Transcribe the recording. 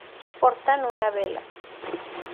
Portan una vela.